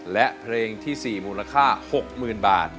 และเพลงที่๔มูลค่า๖๐๐๐บาท